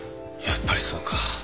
やっぱりそうか。